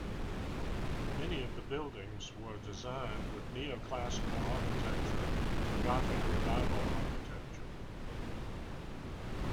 Many of the buildings were designed with Neoclassical architecture and Gothic Revival architecture.